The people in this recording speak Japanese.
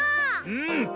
うん！